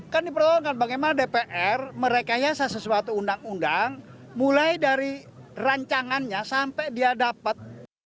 kan dipertanggungkan bagaimana dpr merekayasa sesuatu undang undang mulai dari rancangannya sampai dia dapat